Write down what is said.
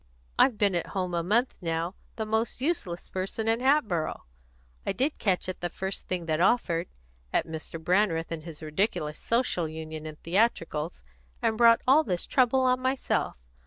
I've been at home a month now, the most useless person in Hatboro'. I did catch at the first thing that offered at Mr. Brandreth and his ridiculous Social Union and theatricals, and brought all this trouble on myself.